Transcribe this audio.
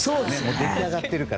出来上がっているから。